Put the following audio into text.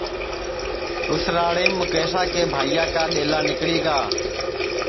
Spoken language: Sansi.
اُس راڑیم مُکیشا کے بھائیا کا ڈؔیلا نیکݪی گا